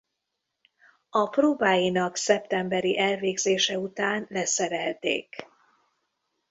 A próbáinak szeptemberi elvégzése után leszerelték.